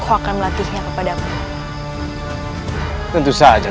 kalau dash weak jadi kutipacticara sendiriineda